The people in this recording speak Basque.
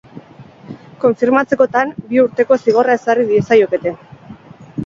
Konfirmatzekotan, bi urteko zigorra ezarri diezaiokete.